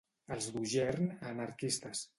Els d'Ogern, anarquistes.